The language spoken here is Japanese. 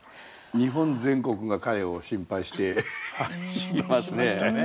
日本全国が彼を心配していますね。